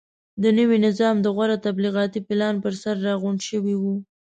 د نوي نظام د غوره تبلیغاتي پلان پرسر راغونډ شوي وو.